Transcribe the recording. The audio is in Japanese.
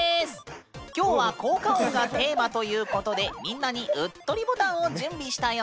今日は「効果音」がテーマということでみんなにうっとりボタンを準備したよ。